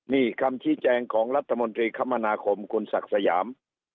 นี่คำชี้แจงของรัฐมนตรีคมนาคมคุณศักดิ์สยาม